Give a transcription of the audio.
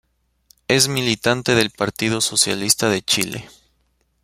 Es militante del Partido Socialista de Chile.